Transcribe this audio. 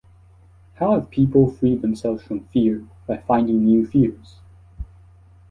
How have people freed themselves from fear by finding new fears?